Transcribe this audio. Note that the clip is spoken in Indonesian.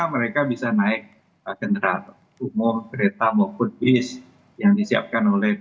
mereka bisa naik kendaraan umum kereta maupun bis yang disiapkan oleh